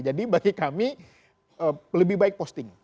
jadi bagi kami lebih baik posting